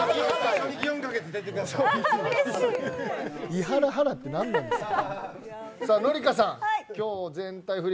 伊原ハラって何なんですか。